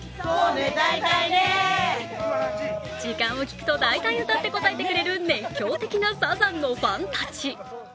時間を聞くと、大体歌って答えてくれる熱狂的なサザンのファンたち。